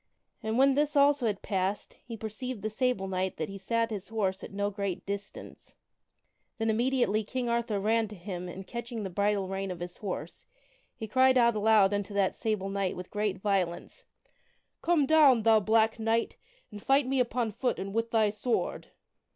And when this also had passed he perceived the Sable Knight that he sat his horse at no great distance. Then immediately King Arthur ran to him and catching the bridle rein of his horse, he cried out aloud unto that Sable Knight with great violence: "Come down, thou black knight! and fight me upon foot and with thy sword."